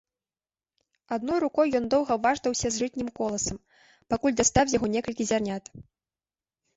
Адной рукой ён доўга важдаўся з жытнім коласам, пакуль дастаў з яго некалькі зярнят.